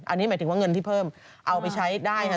อันนี้หมายถึงว่าเงินที่เพิ่มเอาไปใช้ได้ค่ะ